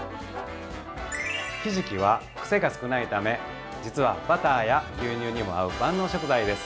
ひじきはくせが少ないため実はバターや牛乳にも合う万能食材です。